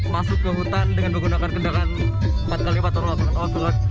masuk ke hutan dengan menggunakan kendaraan empat x empat